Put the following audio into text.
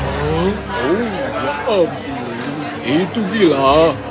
oh ya ampun itu gila